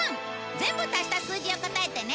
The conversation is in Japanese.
全部足した数字を答えてね！